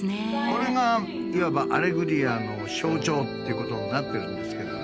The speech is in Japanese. これがいわばアレグリアの象徴っていうことになってるんですけどね。